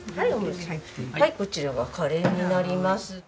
こちらがカレーになります。